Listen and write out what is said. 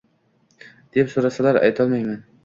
Deb so`rasalar, aytolmayman